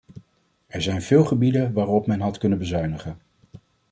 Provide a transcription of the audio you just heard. Er zijn veel gebieden waarop men had kunnen bezuinigen.